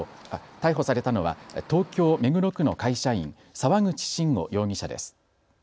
逮捕されたのは東京目黒区の会社員、沢口慎吾容疑者です。